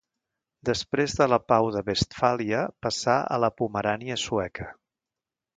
Després de la Pau de Westfàlia passà a la Pomerània Sueca.